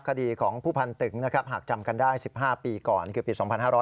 คดีของผู้พันตึงนะครับหากจำกันได้๑๕ปีก่อนคือปี๒๕๕๙